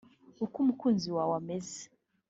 uko umukunzi wawe ameze